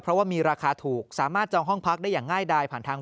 เพราะว่ามีราคาถูกสามารถจองห้องพักได้อย่างง่ายดายผ่านทาง